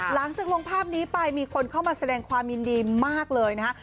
หลังจากลงภาพนี้ไปมีคนเข้ามาแสดงความยินดีมากเลยนะฮะ